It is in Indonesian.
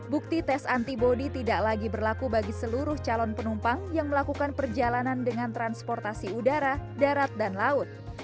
bukti tes antibody tidak lagi berlaku bagi seluruh calon penumpang yang melakukan perjalanan dengan transportasi udara darat dan laut